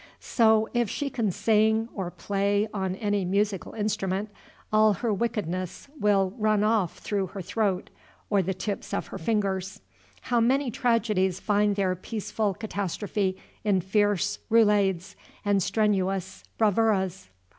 So, if she can sing, or play on any musical instrument, all her wickedness will run off through her throat or the tips of her fingers. How many tragedies find their peaceful catastrophe in fierce roulades and strenuous bravuras!